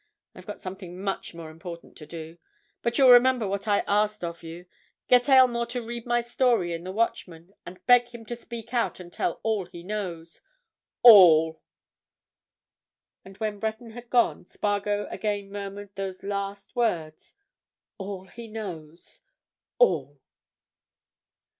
I've got something much more important to do. But you'll remember what I asked of you—get Aylmore to read my story in the Watchman, and beg him to speak out and tell all he knows—all!" And when Breton had gone, Spargo again murmured those last words: "All he knows—all!"